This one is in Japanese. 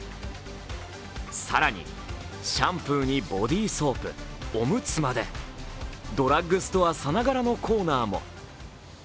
更にシャンプーにボディーソープおむつまで、ドラッグストアさながらのコーナーも。